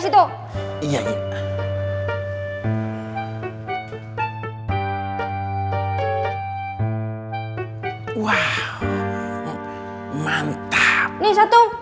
wow mantap nih satu